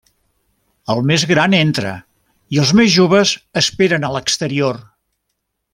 El més gran entra i els més joves esperen a l'exterior.